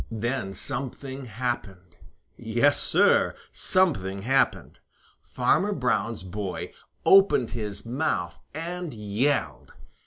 Then something happened. Yes, Sir, something happened. Farmer Brown's boy opened his mouth and yelled!